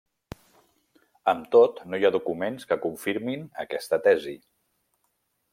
Amb tot, no hi ha documents que confirmin aquesta tesi.